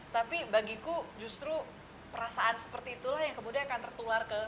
tapi bagiku justru perasaan seperti itulah yang kemudian akan tertular ke